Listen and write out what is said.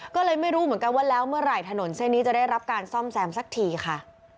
ก็เลยไม่รู้เหมือนกันว่าแล้วเมื่อไหร่ถนนเส้นนี้จะได้รับการซ่อมแซมสักทีค่ะ